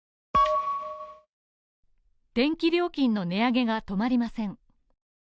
電気料金の値上げが止まりません。